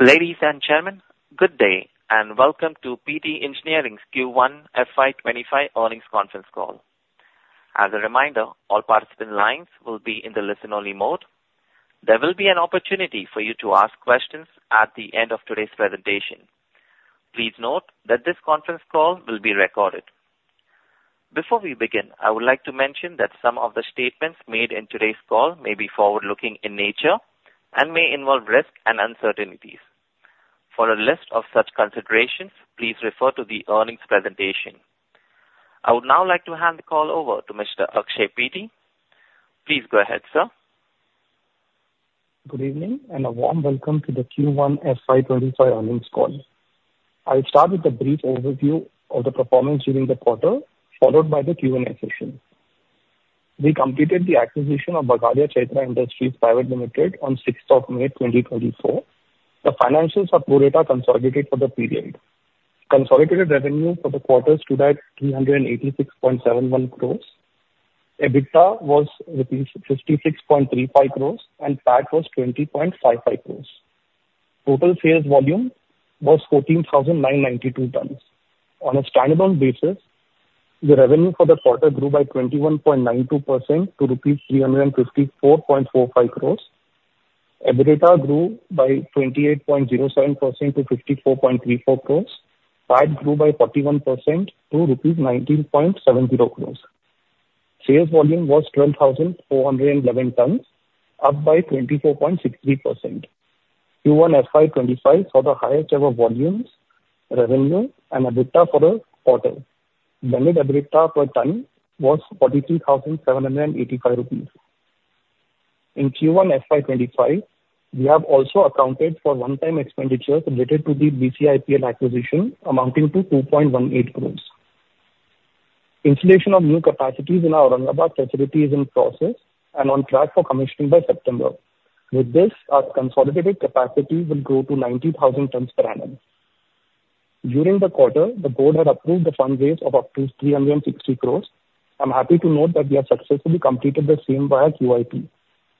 Ladies and gentlemen, good day, and welcome to Pitti Engineering's Q1 FY25 earnings conference call. As a reminder, all participant lines will be in the listen-only mode. There will be an opportunity for you to ask questions at the end of today's presentation. Please note that this conference call will be recorded. Before we begin, I would like to mention that some of the statements made in today's call may be forward-looking in nature and may involve risks and uncertainties. For a list of such considerations, please refer to the earnings presentation. I would now like to hand the call over to Mr. Akshay Pitti. Please go ahead, sir. Good evening, and a warm welcome to the Q1 FY25 earnings call. I'll start with a brief overview of the performance during the quarter, followed by the Q&A session. We completed the acquisition of Bagadia Chaitra Industries Private Limited on sixth of May, twenty twenty-four. The financials are pro rata consolidated for the period. Consolidated revenue for the quarter stood at 386.71 crores. EBITDA was rupees 56.35 crores, and PAT was 20.55 crores. Total sales volume was 14,992 tons. On a standalone basis, the revenue for the quarter grew by 21.92% to rupees 354.45 crores. EBITDA grew by 28.07% to 54.34 crores. PAT grew by 41% to rupees 19.70 crores. Sales volume was 12,411 tons, up 24.63%. Q1 FY25 saw the highest ever volumes, revenue, and EBITDA for the quarter. Blended EBITDA per ton was 43,785 rupees. In Q1 FY25, we have also accounted for one-time expenditures related to the BCIPL acquisition, amounting to 2.18 crores. Installation of new capacities in our Aurangabad facility is in process and on track for commissioning by September. With this, our consolidated capacity will go to 90,000 tons per annum. During the quarter, the board had approved the fund raise of up to 360 crores. I'm happy to note that we have successfully completed the same via QIP.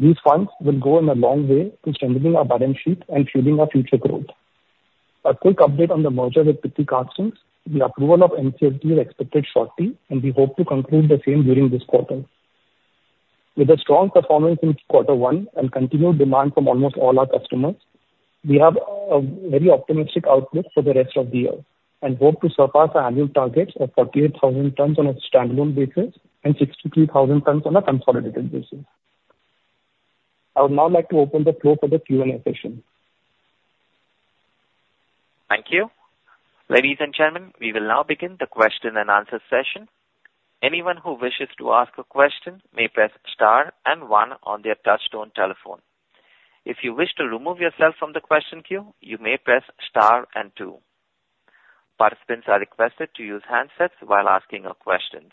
These funds will go a long way to strengthening our balance sheet and fueling our future growth. A quick update on the merger with Pitti Castings, the approval of NCLT is expected shortly, and we hope to conclude the same during this quarter. With a strong performance in quarter one and continued demand from almost all our customers, we have a very optimistic outlook for the rest of the year and hope to surpass our annual targets of 48,000 tons on a standalone basis and 63,000 tons on a consolidated basis. I would now like to open the floor for the Q&A session. Thank you. Ladies and gentlemen, we will now begin the question-and-answer session. Anyone who wishes to ask a question may press star and one on their touchtone telephone. If you wish to remove yourself from the question queue, you may press star and two. Participants are requested to use handsets while asking your questions.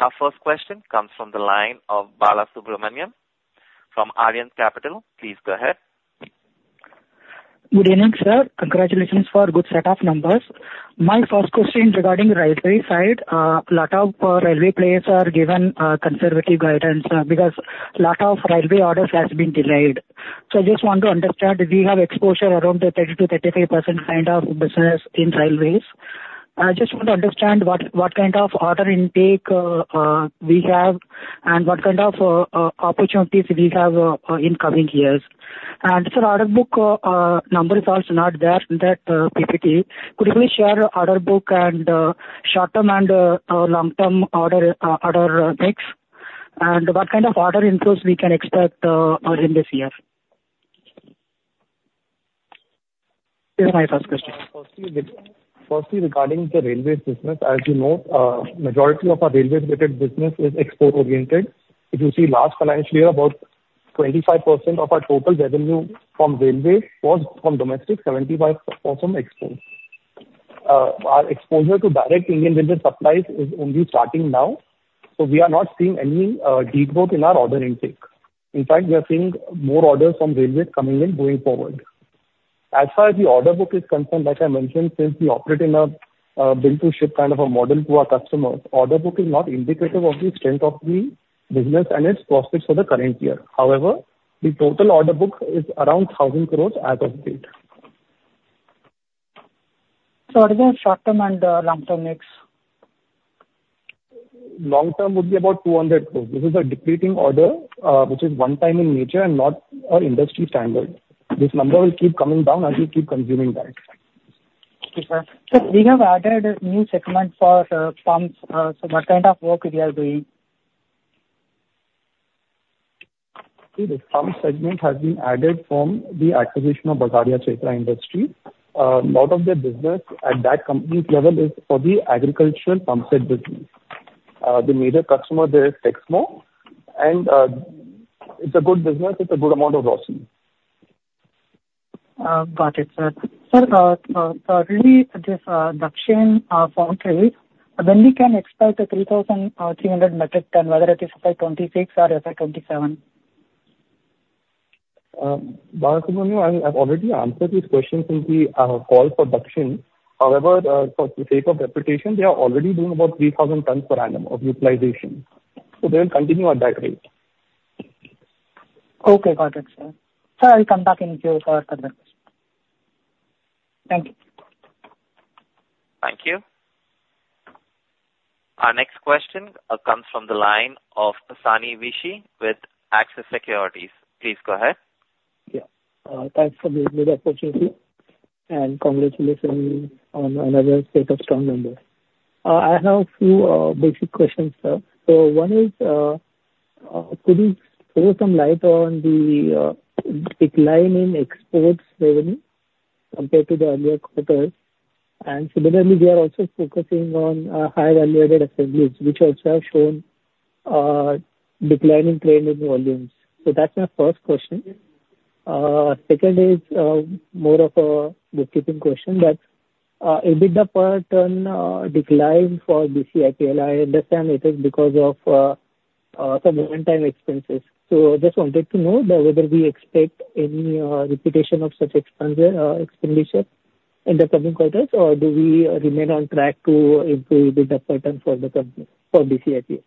Our first question comes from the line of Balasubramanian from Arihant Capital. Please go ahead. Good evening, sir. Congratulations for good set of numbers. My first question regarding railway side, lot of railway players are given conservative guidance because lot of railway orders has been delayed. So I just want to understand, we have exposure around 30%-33% kind of business in railways. I just want to understand what kind of order intake we have and what kind of opportunities we have in coming years. And sir, order book number is also not there, that PPT. Could you please share order book and short-term and long-term order mix, and what kind of order inflows we can expect in this year? These are my first questions. Firstly, regarding the railways business, as you know, majority of our railway-related business is export-oriented. If you see last financial year, about 25% of our total revenue from railways was from domestic, 75% from export. Our exposure to direct Indian Railways supplies is only starting now, so we are not seeing any degrowth in our order intake. In fact, we are seeing more orders from railway coming in going forward. As far as the order book is concerned, like I mentioned, since we operate in a build-to-ship kind of a model to our customers, order book is not indicative of the strength of the business and its prospects for the current year. However, the total order book is around 1,000 crore as of date. What is the short-term and long-term mix? Long term would be about 200 crore. This is a decreasing order, which is one time in nature and not our industry standard. This number will keep coming down as we keep consuming that. Okay, sir. Sir, we have added a new segment for pumps. So what kind of work we are doing? The pump segment has been added from the acquisition of Bagadia Chaitra Industries. A lot of the business at that company's level is for the agricultural pump side business. The major customer there is Texmo, and it's a good business. It's a good amount of revenue. Got it, sir. Sir, recently, this Dakshin Foundry, when we can expect the 3,300 metric ton, whether it is FY 2026 or FY 2027? Balasubramanian, I, I've already answered this question in the call for Dakshin. However, for the sake of repetition, they are already doing about 3,000 tons per annum of utilization, so they will continue at that rate. Okay. Got it, sir. Sir, I'll come back in queue for further. Thank you. Thank you. Our next question comes from the line of Sahil Sanghvi with Axis Securities. Please go ahead. Yeah. Thanks for the good opportunity, and congratulations on another set of strong numbers. I have a few basic questions, sir. So one is, could you throw some light on the decline in exports revenue compared to the earlier quarters? And similarly, we are also focusing on high-value added assemblies, which also have shown decline in trailing volumes. So that's my first question. Second is more of a bookkeeping question, but EBITDA per ton declined for BCIPL. I understand it is because of some one-time expenses. So just wanted to know that whether we expect any repetition of such expense expenditure in the coming quarters, or do we remain on track to improve the EBITDA per ton for the company, for BCIPL?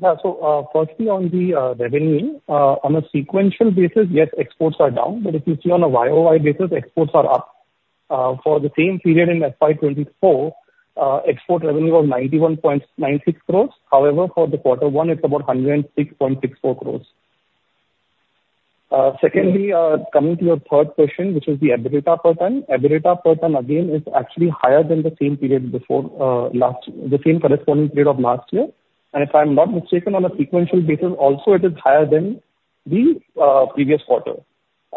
Yeah. So, firstly, on the revenue, on a sequential basis, yes, exports are down, but if you see on a YOY basis, exports are up. For the same period in FY 2024, export revenue of 91.96 crores. However, for the quarter one, it's about 106.64 crores. Secondly, coming to your third question, which is the EBITDA per ton. EBITDA per ton, again, is actually higher than the same period before last, the same corresponding period of last year, and if I'm not mistaken, on a sequential basis also it is higher than the previous quarter,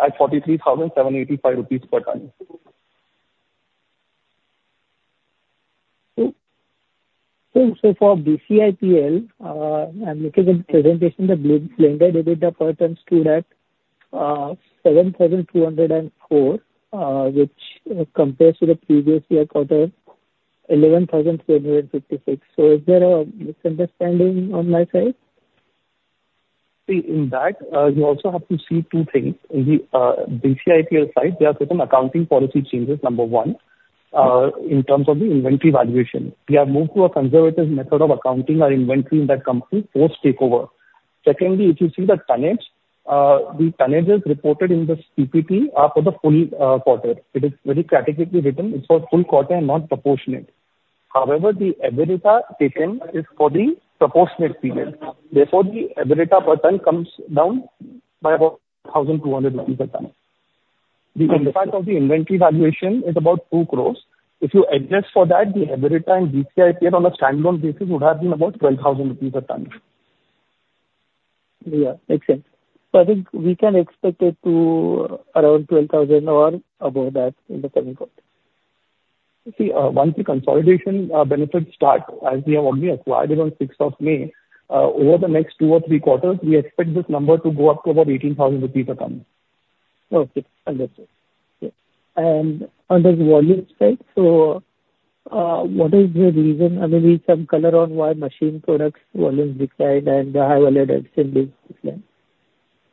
at INR 43,785 per ton. For BCIPL, I'm looking at the presentation, the blended EBITDA per ton stood at 7,204, which compares to the previous year quarter, 11,256. So is there a misunderstanding on my side? See, in that, you also have to see two things. In the, BCIPL side, we have taken accounting policy changes, number one, in terms of the inventory valuation. We have moved to a conservative method of accounting our inventory in that company post-takeover. Secondly, if you see the tonnage, the tonnages reported in this PPT are for the full, quarter. It is very categorically written. It's for full quarter, not proportionate. However, the EBITDA taken is for the proportionate period. Therefore, the EBITDA per ton comes down by about 1,200 rupees a ton. The impact of the inventory valuation is about 2 crore. If you adjust for that, the EBITDA in BCIPL on a standalone basis would have been about 12,000 rupees a ton. Yeah, makes sense. I think we can expect it to around 12,000 or above that in the coming quarter. See, once the consolidation benefits start, as we have only acquired it on sixth of May, over the next two or three quarters, we expect this number to go up to about 18,000 rupees a ton. Okay. Understood. Yeah. On the volume side, what is the reason? I mean, maybe some color on why machining products volumes declined and the high-value added assemblies declined.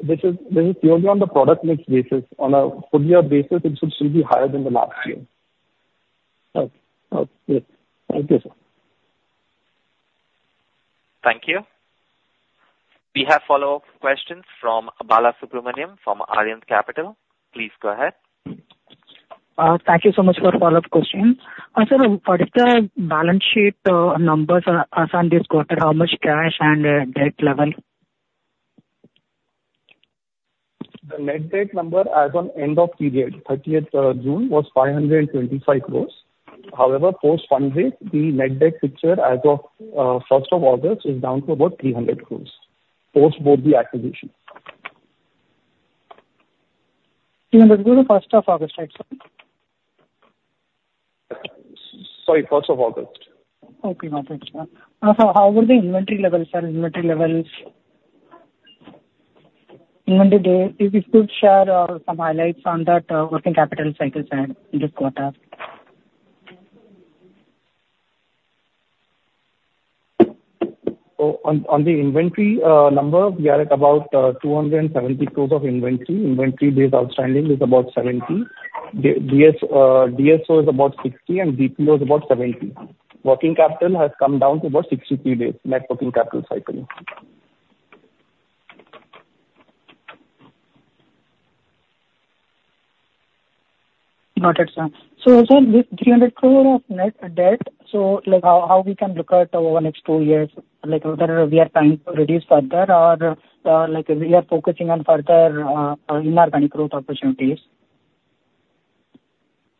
This is purely on the product mix basis. On a full year basis, it should still be higher than the last year. Okay. Okay. Thank you, sir. Thank you. We have follow-up questions from Balasubramanian, from Arihant Capital. Please go ahead. Thank you so much for follow-up question. Sir, what is the balance sheet numbers as on this quarter? How much cash and debt level? The net debt number as on end of period, 30th June, was 525 crores. However, post-funding, the net debt picture as of, first of August is down to about 300 crores, post both the acquisitions. That's through the 1st of August, right, sir? Sorry, 1st of August. Okay, got it, sir. So how were the inventory levels, sir, inventory levels? If you could share some highlights on that, working capital cycle side in this quarter. So, on the inventory number, we are at about 270 crores of inventory. Inventory days outstanding is about 70. DSO is about 60, and DPO is about 70. Working capital has come down to about 63 days, net working capital cycle. Got it, sir. So, sir, with 300 crore of net debt, so, like, how, how we can look at over the next two years, like whether we are trying to reduce further or, like we are focusing on further, inorganic growth opportunities?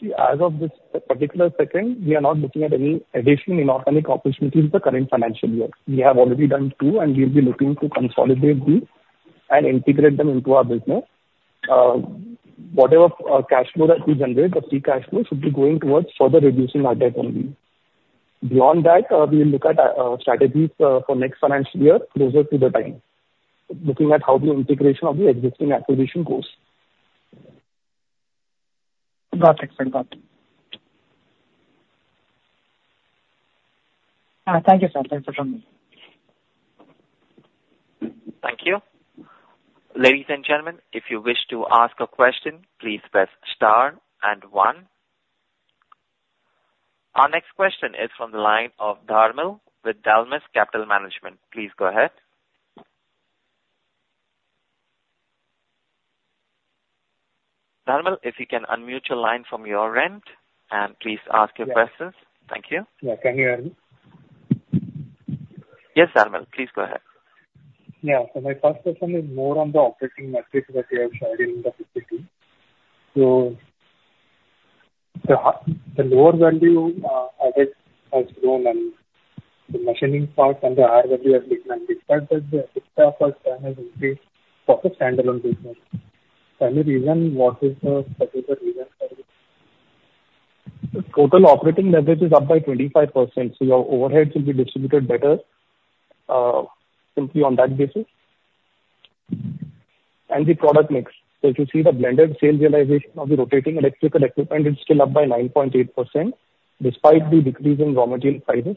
As of this particular second, we are not looking at any additional inorganic opportunities in the current financial year. We have already done two, and we'll be looking to consolidate these and integrate them into our business. Whatever cash flow that we generate, the free cash flow should be going towards further reducing our debt only. Beyond that, we'll look at strategies for next financial year closer to the time, looking at how the integration of the existing acquisition goes. Got it, sir. Got it. Thank you, sir. Thanks for calling me. Thank you. Ladies and gentlemen, if you wish to ask a question, please press star and one. Our next question is from the line of Dharmil with DAM Capital Advisors. Please go ahead. Dharmil, if you can unmute your line from your end, and please ask your questions. Thank you. Yeah. Can you hear me? Yes, Dharmil, please go ahead. Yeah. So my first question is more on the operating metrics that you have shared. So the lower value-added has grown and the machining part and the REE have declined, despite that the EBITDA per ton has increased for the standalone business. Any reason? What is the particular reason for this? The total operating leverage is up by 25%, so your overheads will be distributed better, simply on that basis. And the product mix. So if you see the blended sales realization of the rotating electrical equipment is still up by 9.8%, despite the decrease in raw material prices.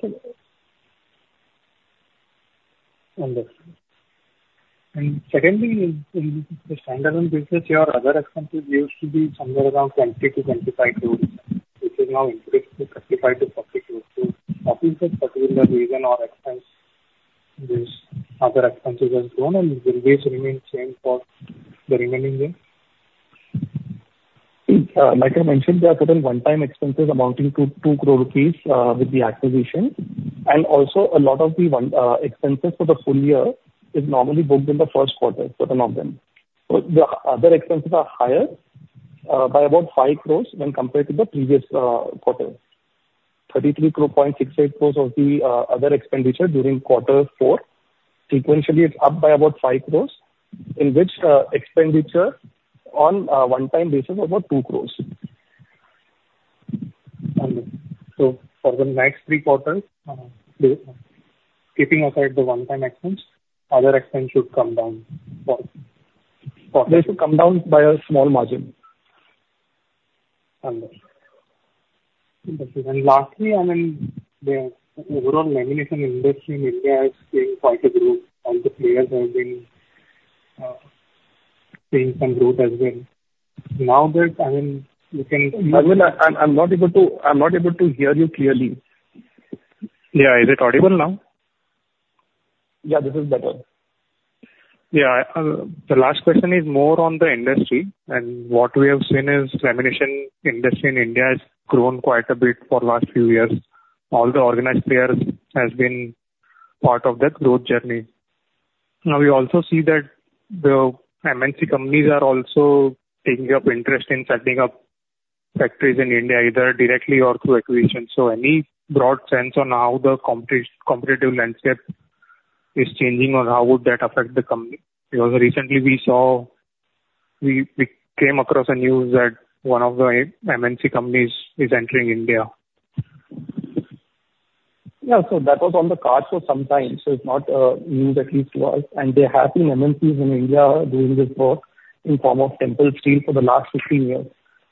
Understood. And secondly, in the standalone business, your other expenses used to be somewhere around 20 crores-25 crores, which has now increased to 35 crores-40 crores. So what is the particular reason other expenses has grown, and will this remain same for the remaining year? Like I mentioned, there are certain one-time expenses amounting to 2 crore rupees with the acquisition. Also a lot of the one-time expenses for the full year is normally booked in the first quarter for the norm then. The other expenses are higher by about 5 crore when compared to the previous quarter. 33.68 crore of the other expenditure during quarter four. Sequentially, it's up by about 5 crore, in which expenditure on one-time basis is about 2 crore. So for the next three quarters, keeping aside the one-time expense, other expense should come down. They should come down by a small margin. Understood. And lastly, I mean, the overall lamination industry in India is seeing quite a growth. All the players have been seeing some growth as well. Now that, I mean, you can- Dharmil, I, I'm not able to, I'm not able to hear you clearly. Yeah. Is it audible now? Yeah, this is better. Yeah. The last question is more on the industry, and what we have seen is lamination industry in India has grown quite a bit for the last few years. All the organized players has been part of that growth journey. Now, we also see that the MNC companies are also taking up interest in setting up factories in India, either directly or through acquisitions. So any broad sense on how the competitive landscape is changing or how would that affect the company? Because recently we saw, we came across a news that one of the MNC companies is entering India. Yeah. So that was on the cards for some time, so it's not news, at least to us. And there have been MNCs in India doing this work in form of Tempel Steel for the last 15 years.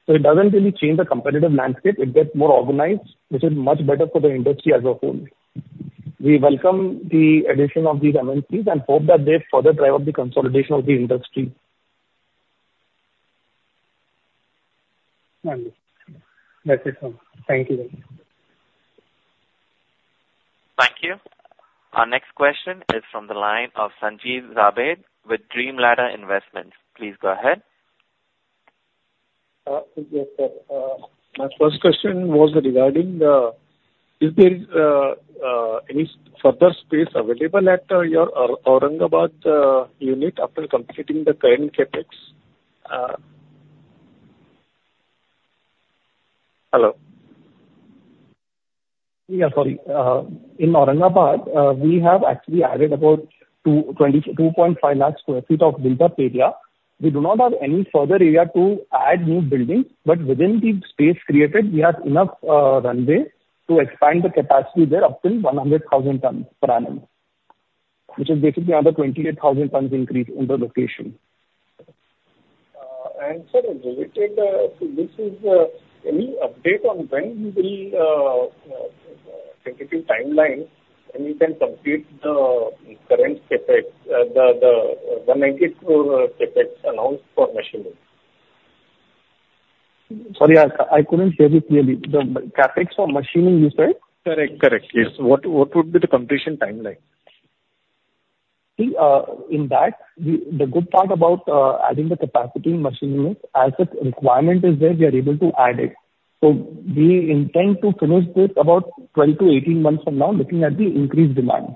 So it doesn't really change the competitive landscape. It gets more organized, which is much better for the industry as a whole. We welcome the addition of these MNCs and hope that they further drive up the consolidation of the industry. Understood. That's it, sir. Thank you very much. Thank you. Our next question is from the line of Sanjeev Zarbade with DreamLadder Investment Advisors. Please go ahead. Yes, sir. My first question was regarding, is there any further space available at your Aurangabad unit after completing the current CapEx? Hello? Yeah, sorry. In Aurangabad, we have actually added about 220, 2.5 lakhs sq ft of built-up area. We do not have any further area to add new buildings, but within the space created, we have enough runway to expand the capacity there up to 100,000 tons per annum, which is basically another 28,000 tons increase in the location. And, sir, related to this, is any update on when you will specific timeline when you can complete the current CapEx, the 90 crore CapEx announced for machining? Sorry, I couldn't hear you clearly. The CapEx for machining, you said? Correct. Correct, yes. What, what would be the completion timeline? See, in that, the good part about adding the capacity in machining, as the requirement is there, we are able to add it. So we intend to finish this about 12 months-18 months from now, looking at the increased demand.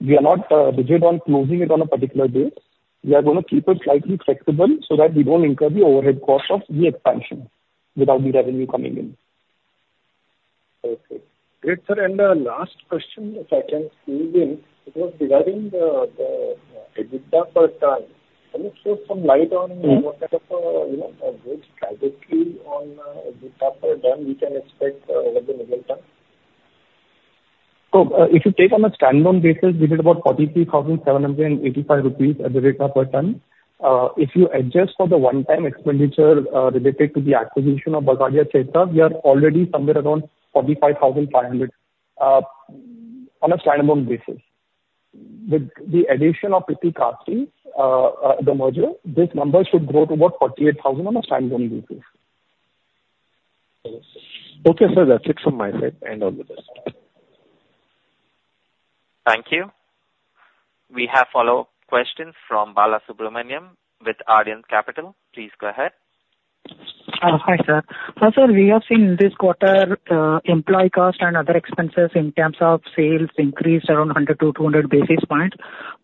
We are not rigid on closing it on a particular date. We are gonna keep it slightly flexible so that we don't incur the overhead cost of the expansion without the revenue coming in. Okay. Great, sir. And the last question, if I can squeeze in, it was regarding the EBITDA per ton. Can you shed some light on what kind of, you know, growth trajectory on EBITDA per ton we can expect over the middle term? So, if you take on a standalone basis, we did about 43,785 rupees as the rate per ton. If you adjust for the one-time expenditure related to the acquisition of Bagadia Chaitra, we are already somewhere around 45,500 on a standalone basis. With the addition of Pitti Castings, the merger, this number should grow to about 48,000 on a standalone basis. Okay, sir, that's it from my side, and all the best. Thank you. We have follow-up question from Balasubramanian with Arihant Capital. Please go ahead. Hi, sir. So sir, we have seen this quarter, employee cost and other expenses in terms of sales increased around 100 basis points-200 basis points.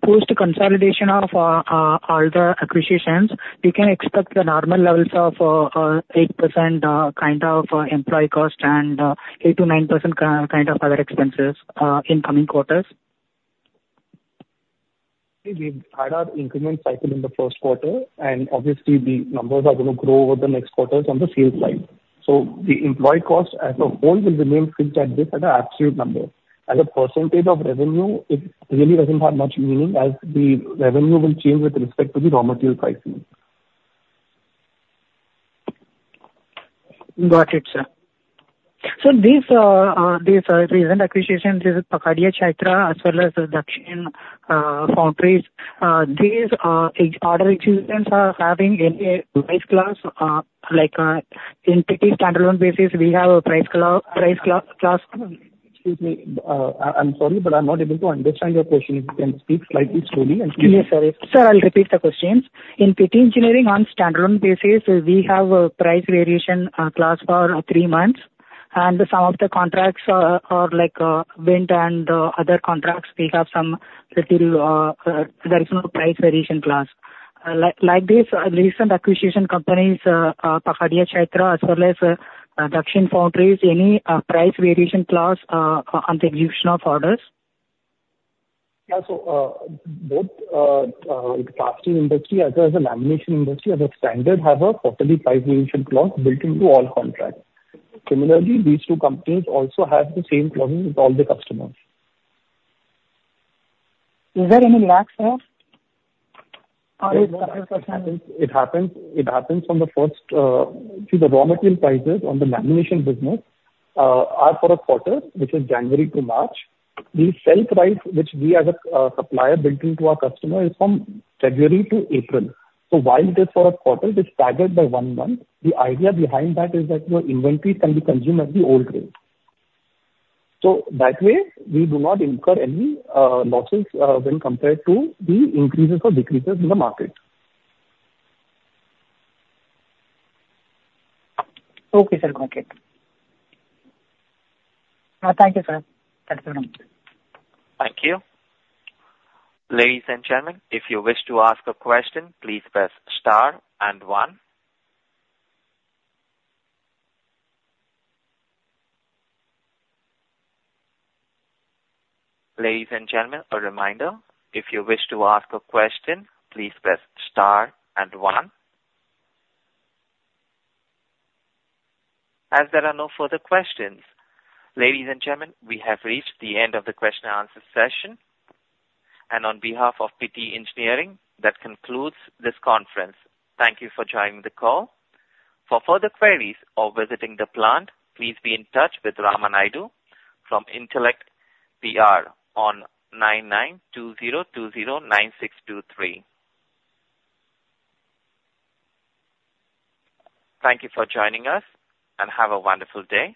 Post consolidation of all the acquisitions, we can expect the normal levels of 8%, kind of employee cost and 8%-9% kind of other expenses, in coming quarters? We've had our increment cycle in the first quarter, and obviously the numbers are gonna grow over the next quarters on the sales line. So the employee cost as a whole will remain fixed at this at an absolute number. As a percentage of revenue, it really doesn't have much meaning, as the revenue will change with respect to the raw material pricing. Got it, sir. So these recent acquisitions is Bagadia Chaitra, as well as Dakshin Foundry. These order executions are having any price clause, like, in Pitti standalone basis, we have a price clause. Excuse me, I'm sorry, but I'm not able to understand your question. If you can speak slightly slowly and clear. Yes, sir. Sir, I'll repeat the questions. In Pitti Engineering, on standalone basis, we have a price variation clause for three months, and some of the contracts are like wind and other contracts, we have some material there is no price variation clause. Like, like this recent acquisition companies, Bagadia Chaitra, as well as Dakshin Foundry, any price variation clause on the execution of orders? Yeah, so, the casting industry as well as the lamination industry as a standard have a quarterly price variation clause built into all contracts. Similarly, these two companies also have the same clause with all the customers. Is there any lag, sir? It happens, it happens from the first. See, the raw material prices on the lamination business are for a quarter, which is January to March. The sell price, which we as a supplier built into our customer, is from February to April. So while it is for a quarter, it's staggered by one month. The idea behind that is that your inventory can be consumed at the old rate. So that way, we do not incur any losses when compared to the increases or decreases in the market. Okay, sir, got it. Thank you, sir. Thank you. Thank you. Ladies and gentlemen, if you wish to ask a question, please press star and one. Ladies and gentlemen, a reminder, if you wish to ask a question, please press star and one. As there are no further questions, ladies and gentlemen, we have reached the end of the question and answer session. On behalf of Pitti Engineering, that concludes this conference. Thank you for joining the call. For further queries or visiting the plant, please be in touch with Raman Naidu from Intellect PR on 9920209623. Thank you for joining us, and have a wonderful day!